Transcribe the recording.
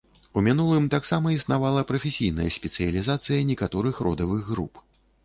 У мінулым таксама існавала прафесійная спецыялізацыя некаторых родавых груп.